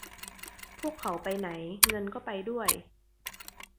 พวกเขาไปไหนเงินก็ไปด้วย